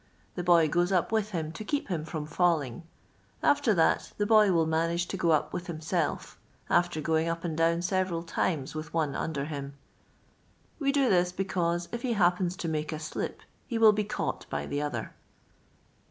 The boy goes up with him to keep him from falling; after that, the boy will manage to go up with himself, after going up and down several times with one under him : we do this, because if he happens to make a slip he will be caught by the other.